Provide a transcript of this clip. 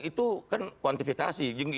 itu kan kuantifikasi